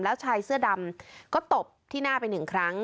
แล้วชายเสื้อดำก็ตบที่หน้าไปหนึ่งครั้ง